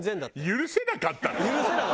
許せなかった。